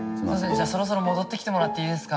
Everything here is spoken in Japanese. じゃあそろそろ戻ってきてもらっていいですか。